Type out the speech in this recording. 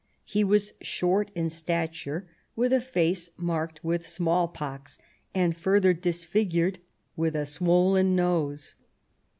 He was short in stature, with a face marked with small pox, and further disfigured with a swollen nose.